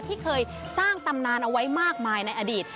ที่เคยสร้างตำนานเอาไว้มากมายในอดีต